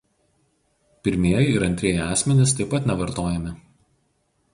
Pirmieji ir antrieji asmenys taip pat nevartojami.